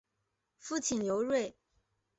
父亲刘锐。